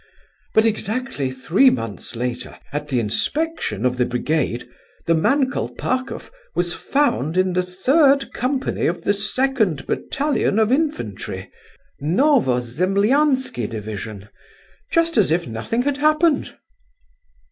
But exactly three months later at the inspection of the brigade, the man Kolpakoff was found in the third company of the second battalion of infantry, Novozemlianski division, just as if nothing had happened!"